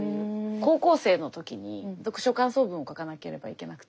高校生の時に読書感想文を書かなければいけなくて。